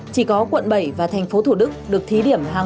chỉ có quận bảy và tp thủ đức được thí điểm hàng